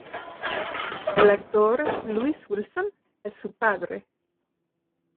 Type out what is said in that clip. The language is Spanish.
El actor Lewis Wilson es su padre.